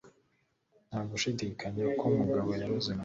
nta gushidikanya ko mugabo yaroze mariya